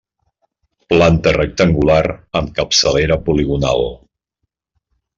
Planta rectangular, amb capçalera poligonal.